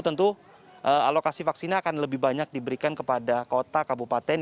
tentu alokasi vaksinnya akan lebih banyak diberikan kepada kota kabupaten